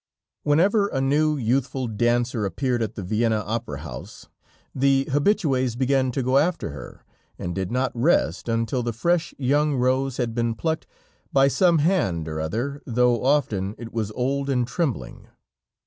Whenever a new, youthful dancer appeared at the Vienna Opera House, the habitués began to go after her, and did not rest, until the fresh young rose had been plucked by some hand or other, though often it was old and trembling.